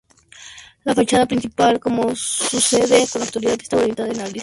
La fachada principal, como sucede con la actual, estaba orientada al este.